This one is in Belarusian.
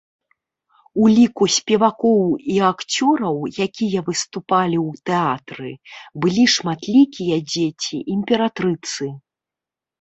У ліку спевакоў і акцёраў, якія выступалі ў тэатры, былі шматлікія дзеці імператрыцы.